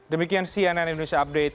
demikian cnn indonesia update